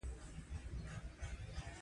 خو پنجاب وایي چې څاڅي دې او زیاته دې څاڅي.